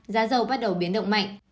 giá dầu bắt đầu biến động mạnh